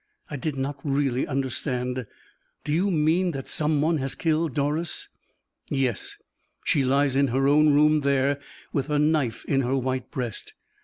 "I did not really understand. Do you mean that some one has killed Doris?" "Yes; she lies in her own room there, with a knife in her white breast.